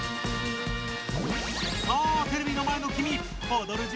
さあテレビの前のきみ！